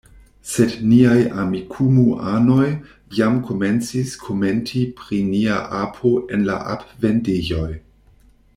Sed niaj Amikumu-anoj jam komencis komenti pri nia apo en la ap-vendejoj.